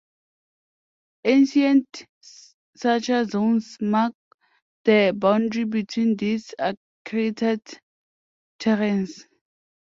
Ancient suture zones mark the boundary between these accreted terranes.